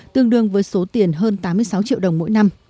tương đương với số tiền hơn tám mươi sáu triệu đồng mỗi năm